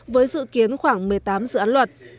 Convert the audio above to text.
với dự kiến khoảng một mươi tám dự án luật